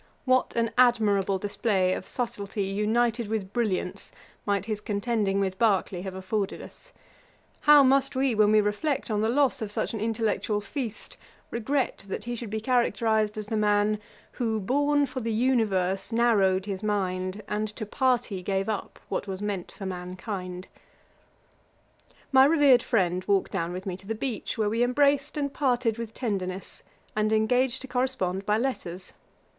What an admirable display of subtilty, united with brilliance, might his contending with Berkeley have afforded us! How must we, when we reflect on the loss of such an intellectual feast, regret that he should be characterised as the man, 'Who born for the universe narrow'd his mind, And to party gave up what was meant for mankind?' My revered friend walked down with me to the beach, where we embraced and parted with tenderness, and engaged to correspond by letters.